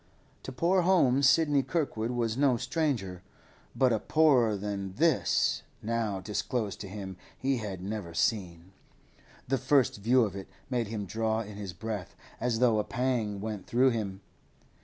To poor homes Sidney Kirkwood was no stranger, but a poorer than this now disclosed to him he had never seen. The first view of it made him draw in his breath, as though a pang went through him.